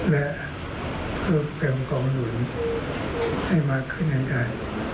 และเพิ่มเติมกองทุนให้มากขึ้นให้ได้